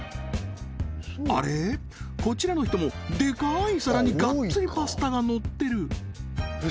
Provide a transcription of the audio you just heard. こちらの人もデカい皿にがっつりパスタがのってる！